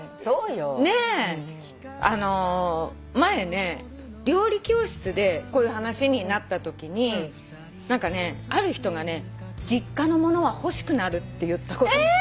前ね料理教室でこういう話になったときに何かねある人がね「実家のものは欲しくなる」って言ったことが。